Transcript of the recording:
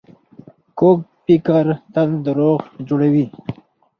کوږ فکر تل دروغ جوړوي